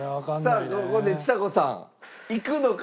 さあここでちさ子さん。いくのか？